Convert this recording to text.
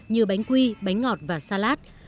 như bánh quy bánh ngọt và salad